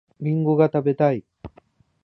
りんごが食べたい